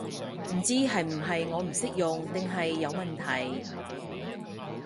唔知係我唔識用定係有問題